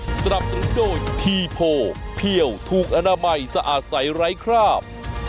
สำหรับทุกโชว์ที่โผล่เพี่ยวถูกอนามัยสะอาดใสไร้คราบ